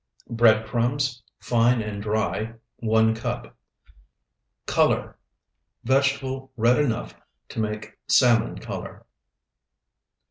Bread crumbs, fine and dry, 1 cup. Color, vegetable red enough to make salmon color.